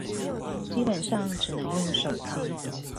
基本上只能用手機